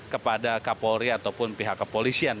kepada kapolri ataupun pihak kepolisian